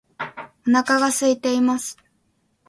お腹が空いています